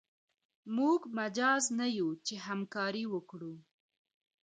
موږ مجاز نه یو چې همکاري وکړو.